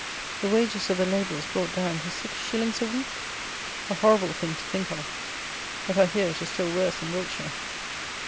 The wages of the labourers brought down to six shillings a week! a horrible thing to think of; but, I hear, it is still worse in Wiltshire.